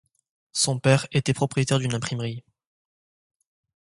Son père était propriétaire d'une imprimerie.